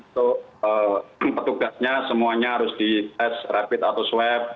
untuk petugasnya semuanya harus dites rapid atau swab